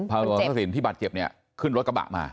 พระรวชสินที่บาทเก็บเนี่ยขึ้นรถกระบะมา